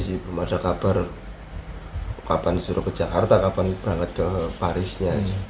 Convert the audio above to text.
belum ada kabar kapan suruh ke jakarta kapan berangkat ke parisnya